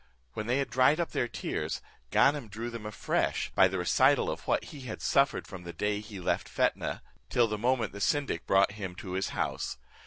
When they had dried up their tears, Ganem drew them afresh, by the recital of what he had suffered from the day he left Fetnah, till the moment the syndic brought him to his house.